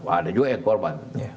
ada juga yang korban